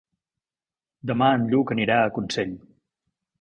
Demà en Lluc anirà a Consell.